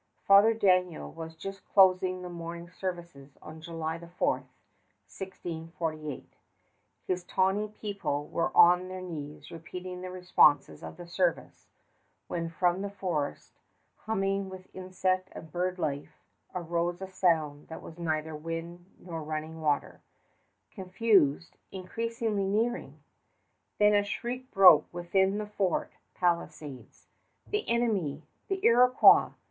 Father Daniel was just closing the morning services on July the 4th, 1648. His tawny people were on their knees repeating the responses of the service, when from the forest, humming with insect and bird life, arose a sound that was neither wind nor running water confused, increasing, nearing! Then a shriek broke within the fort palisades, "The enemy! the Iroquois!"